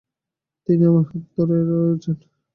তিনি আমার হাত ধরে রয়েছেন।